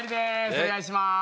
お願いします。